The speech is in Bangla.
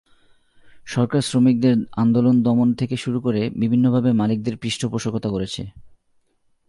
সরকার শ্রমিকদের আন্দোলন দমন থেকে শুরু করে বিভিন্নভাবে মালিকদের পৃষ্ঠপোষকতা করছে।